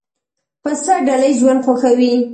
پسه ډله ییز ژوند خوښوي.